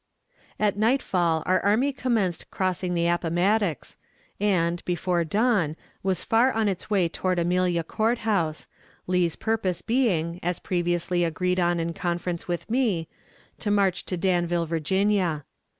At nightfall our army commenced crossing the Appomattox, and, before dawn, was far on its way toward Amelia Court House, Lee's purpose being, as previously agreed on in conference with me, to march to Danville, Virginia.